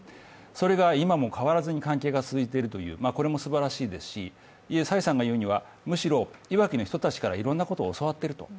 それが今も変わらずに関係が続いているという、これもすばらしいですし、蔡さんが言うには、むしろいわきの人たちからいろんなことを教わっていると。